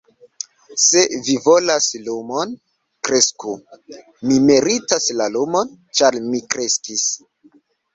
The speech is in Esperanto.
"Se vi volas lumon, kresku. Mi meritas la lumon, ĉar mi kreskis."